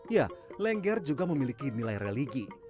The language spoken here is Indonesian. ya lengger juga memiliki nilai religi